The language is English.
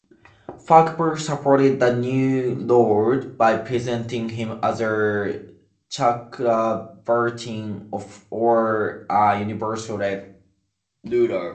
Phagpa supported the new lord by presenting him as a chakravartin or universal ruler.